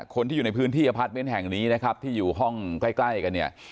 คนที่อยู่ในพื้นที่อพาร์ทเมนต์แห่งนี้นะครับที่อยู่ห้องใกล้กันเนี่ย